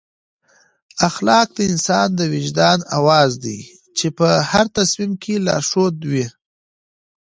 اخلاق د انسان د وجدان اواز دی چې په هر تصمیم کې لارښود وي.